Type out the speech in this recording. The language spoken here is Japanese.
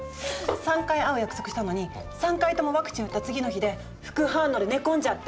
３回会う約束したのに３回ともワクチン打った次の日で副反応で寝込んじゃって。